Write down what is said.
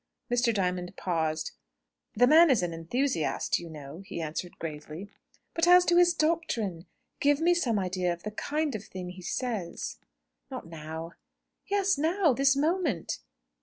Mr. Diamond paused. "The man is an enthusiast, you know," he answered, gravely. "But as to his doctrine? Give me some idea of the kind of thing he says." "Not now." "Yes; now. This moment."